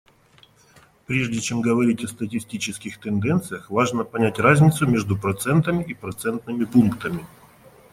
Прежде чем говорить о статистических тенденциях, важно понять разницу между процентами и процентными пунктами.